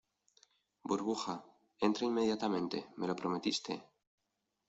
burbuja, entra inmediatamente. me lo prometiste .